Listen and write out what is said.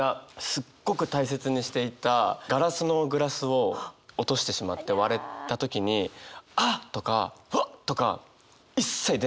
すっごく大切にしていたガラスのグラスを落としてしまって割れた時に「あっ！」とか「ハッ！」とか一切出ないですね。